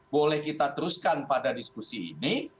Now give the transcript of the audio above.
boleh kita teruskan pada diskusi ini